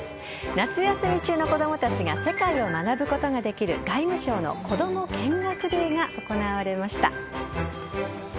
夏休み中の子供たちが世界を学ぶことができる外務省のこども見学デーが行われました。